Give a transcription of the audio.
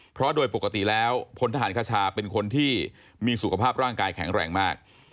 เพราะโดยปกติแล้วพลทหารคชาเป็นคนที่มีสุขภาพร่างกายแข็งแรงมาก